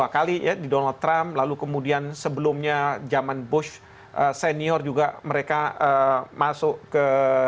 dua kali ya di donald trump lalu kemudian sebelumnya zaman bush senior juga mereka masuk ke